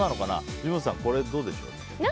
藤本さん、これどうでしょう。